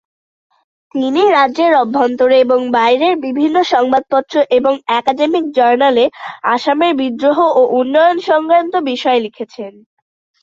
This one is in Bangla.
তিনি রাজ্যের অভ্যন্তরে এবং বাইরের বিভিন্ন সংবাদপত্র এবং একাডেমিক জার্নালে আসামের বিদ্রোহ ও উন্নয়ন সংক্রান্ত বিষয়ে লিখেছেন।